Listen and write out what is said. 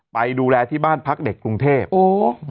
ไปดูแลที่บ้านพักเด็กกรุงเทพโอ้